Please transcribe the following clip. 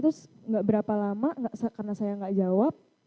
terus enggak berapa lama karena saya enggak jawab